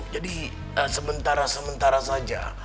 jadi sementara sementara saja